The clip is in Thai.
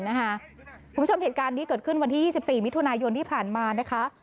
เดี๋ยวที่เห็นนะคะคุณผู้ชมเหตุการณ์นี้เกิดขึ้นวันที่๒๔มิถุนายนที่ผ่านมานะคะ